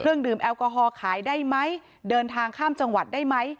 ดื่มแอลกอฮอล์ขายได้ไหมเดินทางข้ามจังหวัดได้ไหม